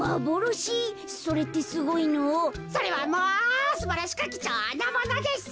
それはもうすばらしくきちょうなものです。